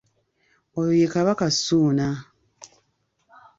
Oyo ye Kabaka Ssuuna.